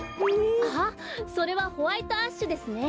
ああそれはホワイトアッシュですね。